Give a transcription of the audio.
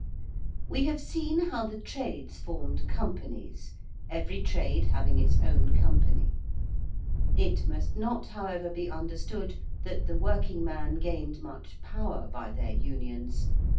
We have seen how the trades formed companies every trade having its own company. It must not, however, be understood that the working man gained much power by their unions.